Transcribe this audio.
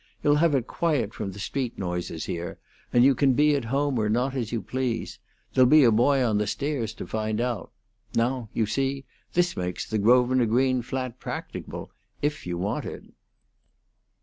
"You'll have it quiet from the street noises here, and you can be at home or not, as you please. There'll be a boy on the stairs to find out. Now, you see, this makes the Grosvenor Green flat practicable, if you want it."